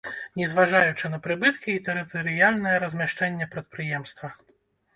Не зважаючы на прыбыткі і тэрытарыяльнае размяшчэнне прадпрыемства.